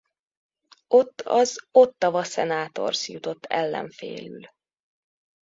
Ott az Ottawa Senators jutott ellenfélül.